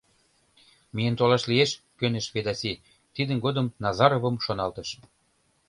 — Миен толаш лиеш, — кӧныш Ведаси, тидын годым Назаровым шоналтыш.